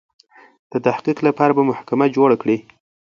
د تحقیق لپاره به محکمه جوړه کړي.